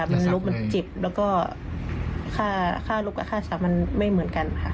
มันลุกมันเจ็บแล้วก็ค่าลุกกับค่าสัตว์มันไม่เหมือนกันค่ะ